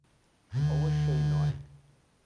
অবশ্যই নয়।